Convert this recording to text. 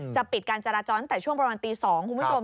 ปิดการจราจรตั้งแต่ช่วงประมาณตี๒คุณผู้ชม